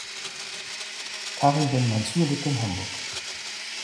Karim Ben Mansur lebt in Hamburg.